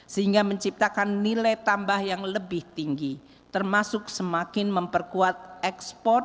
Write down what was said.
sehingga menciptakan nilai tambah yang lebih tinggi termasuk semakin memperkuat ekonomi dan pengembangan ekonomi